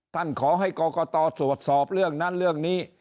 ขอให้กรกตตรวจสอบเรื่องนั้นเรื่องนี้